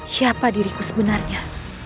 siapa diriku sebenarnya